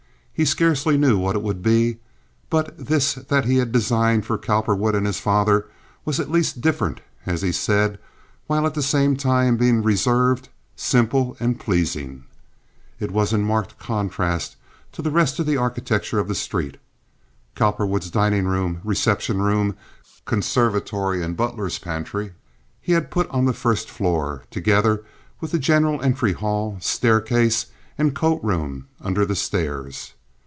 He scarcely knew what it would be; but this that he had designed for Cowperwood and his father was at least different, as he said, while at the same time being reserved, simple, and pleasing. It was in marked contrast to the rest of the architecture of the street. Cowperwood's dining room, reception room, conservatory, and butler's pantry he had put on the first floor, together with the general entry hall, staircase, and coat room under the stairs.